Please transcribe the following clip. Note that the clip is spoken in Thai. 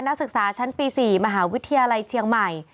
นักศึกษาชั้นปี๔มหาวิทยาลัยเชียงใหม่